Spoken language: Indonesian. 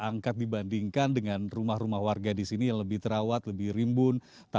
angkat dibandingkan dengan rumah rumah warga di sini yang lebih terawat lebih rimbun